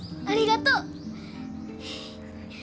ありがとう！